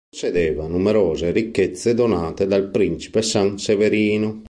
Possedeva numerose ricchezze donate dal Principe Sanseverino.